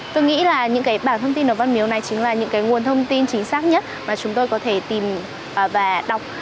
tôi nghĩ là những cái bảng thông tin ở văn miếu này chính là những nguồn thông tin chính xác nhất mà chúng tôi có thể tìm và đọc